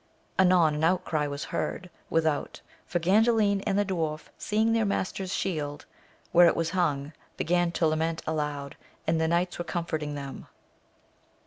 Anon an outcry was heard without, for Ganddin and the dwarf seeing their master's shield where' it was hung, began to lament aloud, and the knights were comforting them.